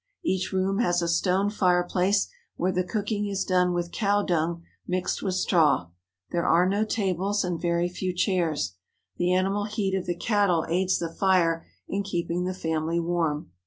Each room has a stone fireplace where the cooking is done with cow dung mixed with straw. There are no tables and very few chairs. The animal heat of the cattle aids the fire in keeping the fam ily warm.